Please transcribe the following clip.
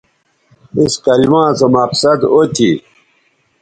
اِس کلما سو مقصد او تھی